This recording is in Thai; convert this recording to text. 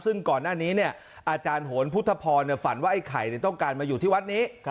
ซึ่งก่อนหน้านี้อาจารย์โหนพุทธพรฝันว่าไอ้ไข่ต้องการมาอยู่ที่วัดนี้